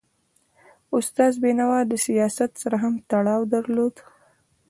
استاد بینوا د سیاست سره هم تړاو درلود.